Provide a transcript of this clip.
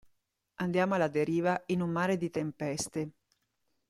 Andiamo alla deriva in un mare di tempeste.